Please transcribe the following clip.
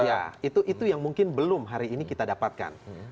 ya itu yang mungkin belum hari ini kita dapatkan